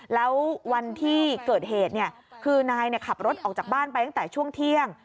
แล้ววันที่เกิดเหตุคือนายขับรถออกจากบ้านไปตั้งแต่ช่วงเที่ยง